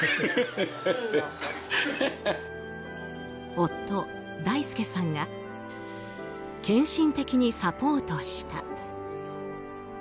夫・大助さんが献身的にサポートした。